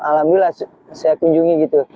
alhamdulillah saya kunjungi gitu